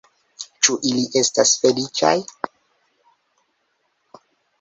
Ĉu ili estas feliĉaj?